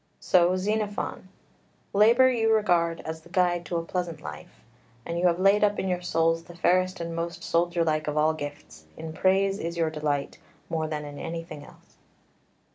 [Footnote 1: Menex. 236, D.] 3 So Xenophon: "Labour you regard as the guide to a pleasant life, and you have laid up in your souls the fairest and most soldier like of all gifts: in praise is your delight, more than in anything else."